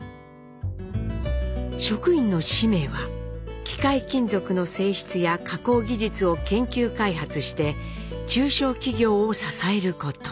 職員の使命は機械金属の性質や加工技術を研究開発して中小企業を支えること。